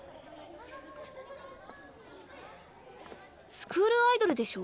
スクールアイドルでしょ？